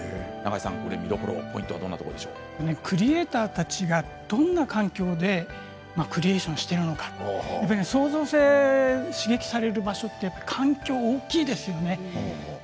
見どころポイントはクリエーターたちがどんな環境でクリエーションしているのかやっぱり創造性を刺激される場所って環境は大きいですよね。